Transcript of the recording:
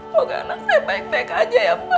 moga anak saya baik baik aja ya pak